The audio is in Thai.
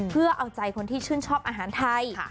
เพื่อเอาใจคนที่ชื่นชอบอาหารไทย